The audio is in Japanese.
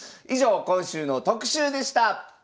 以上今週の特集でした！